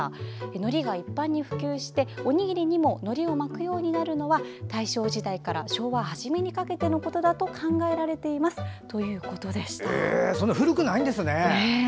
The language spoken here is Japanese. のりが一般に普及しておにぎりにものりを巻くようになるのは大正時代から昭和初めにかけてのことだと考えられますということでした。